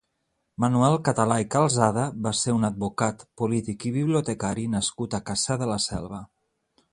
Manuel Català i Calzada va ser un advocat, polític i bibliotecari nascut a Cassà de la Selva.